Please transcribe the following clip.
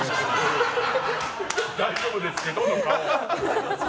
大丈夫ですけど？の顔。